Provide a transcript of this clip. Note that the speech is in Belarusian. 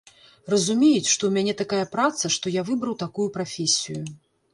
Разумеюць, што ў мяне такая праца, што я выбраў такую прафесію.